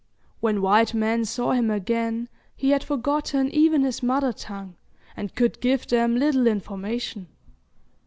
When white men saw him again, he had forgotten even his mother tongue, and could give them little information.